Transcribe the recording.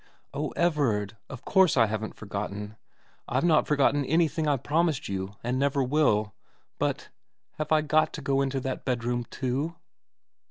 ' Oh, Everard of course I haven't forgotten. I've not forgotten anything I promised you, and never will. But have I got to go into that bedroom too